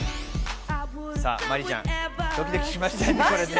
麻里ちゃん、ドキドキしましたよね、これね。